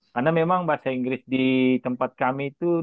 karena memang bahasa inggris di tempat temannya itu cukup baik